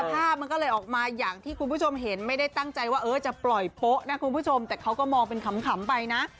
ภาพมันก็เลยออกมาอย่างที่คุณผู้ชมเห็นไม่ได้ตั้งใจว่าจะปล่อยโป๊ะนะคุณผู้ชมแต่เขาก็มองเป็นขำไปนะ